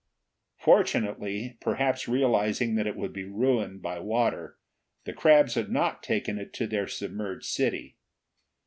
Fortunately, perhaps realizing that it would be ruined by water, the crabs had not taken it to their submerged city.